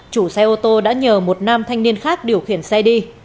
chủ xe ô tô đã nhờ một nam thanh niên khác điều khiển xe đi